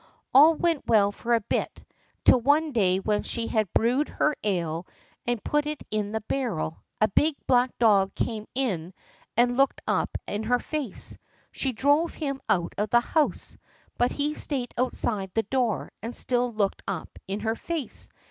All went well for a bit, till one day when she had brewed her ale and put it in the barrel, a big black dog came in and looked up in her face. She drove him out of the house, but he stayed outside the door and still looked up in her face.